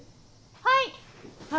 はい。